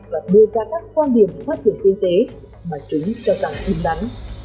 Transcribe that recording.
và đưa ra các quan điểm về phát triển kinh tế mà chúng cho rằng đúng đắn